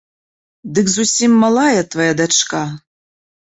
Дык зусім малая твая дачка?